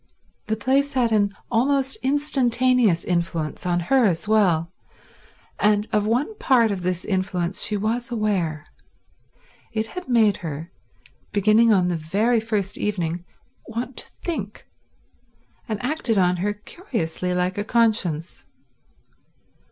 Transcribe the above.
The place had an almost instantaneous influence on her as well, and of one part of this influence she was aware: it had made her, beginning on the very first evening, want to think, and acted on her curiously like a conscience.